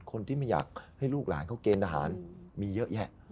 คนที่ไม่อยากให้ลูกหลานเขาเกณฑ์ทหารมีเยอะแยะ